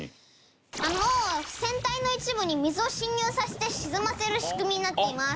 船体の一部に水を侵入させて沈ませる仕組みになっています。